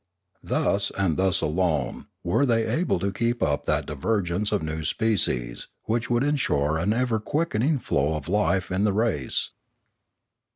Thus and thus alone were they able to keep up that divergence of new species which would ensure an ever quickening flow of life in the race.